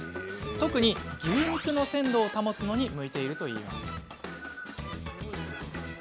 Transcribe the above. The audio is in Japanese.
特に牛肉の鮮度を保つのに向いているといいます。